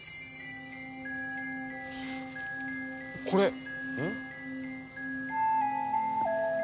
これ。